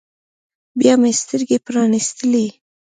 بيا مې سترګې پرانيستلې.